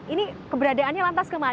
ini keberadaannya lantas kembali